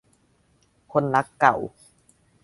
คนรักเก่า